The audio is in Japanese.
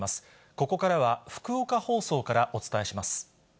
ここからは福岡放送からお伝えします。